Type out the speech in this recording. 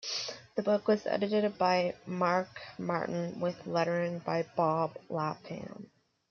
The book was edited by Mark Martin, with lettering by Bob Lappan.